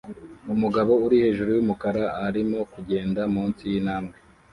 Umugabo uri hejuru yumukara arimo kugenda munsi yintambwe